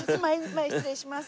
前失礼します。